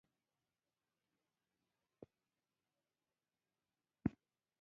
ملفوظات الافضلېه، د چاپ پۀ مرحلو کښې دی